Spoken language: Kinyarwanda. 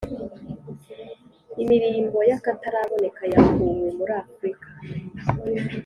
imirimbo y akataraboneka yakuwe muri afurika